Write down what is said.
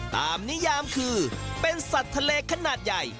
นิยามคือเป็นสัตว์ทะเลขนาดใหญ่